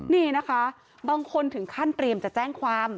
นี่นะคะบางคนถึงขั้นเตรียมจะแจ้งความ